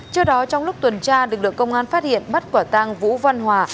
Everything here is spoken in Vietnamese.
trước đó trong lúc tuần tra lực lượng công an phát hiện bắt quả tang vũ văn hòa